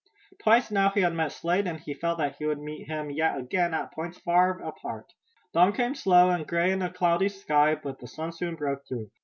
Twice now he had met Slade and he felt that he would meet him yet again at points far apart. Dawn came slow and gray in a cloudy sky, but the sun soon broke through.